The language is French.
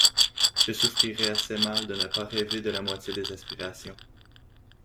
Je souffrirai assez mal de ne pas rêver de la moitié des aspirations.